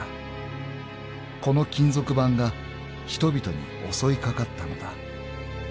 ［この金属板が人々に襲い掛かったのだ］